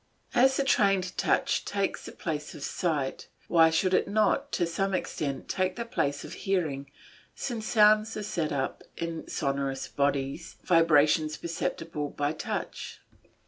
As the trained touch takes the place of sight, why should it not, to some extent, take the place of hearing, since sounds set up, in sonorous bodies, vibrations perceptible by touch?